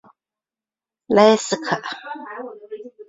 莱斯坎。